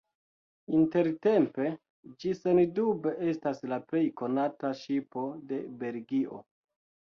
Intertempe ĝi sendube estas la plej konata ŝipo de Belgio.